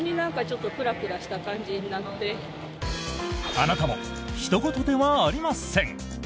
あなたもひと事ではありません。